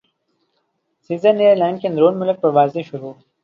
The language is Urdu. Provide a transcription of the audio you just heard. سیرین ایئرلائن کی اندرون ملک پروازیں شروع